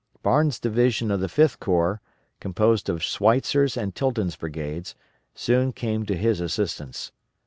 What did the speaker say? Barnes' division of the Fifth Corps, composed of Sweitzer's and Tilton's brigades, soon came to his assistance.